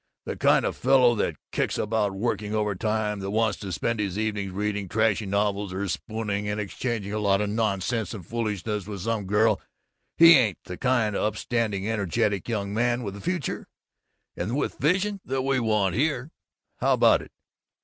The kind of fellow that kicks about working overtime, that wants to spend his evenings reading trashy novels or spooning and exchanging a lot of nonsense and foolishness with some girl, he ain't the kind of upstanding, energetic young man, with a future and with Vision! that we want here. How about it?